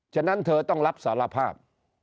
ฉะนั้นเธอต้องรับสารภาพ